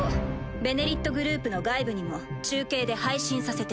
「ベネリット」グループの外部にも中継で配信させて。